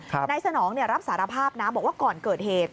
นายสนองรับสารภาพนะบอกว่าก่อนเกิดเหตุ